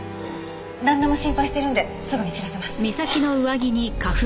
旦那も心配してるんですぐに知らせます。